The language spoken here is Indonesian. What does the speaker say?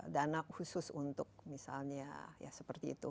dana khusus untuk misalnya ya seperti itu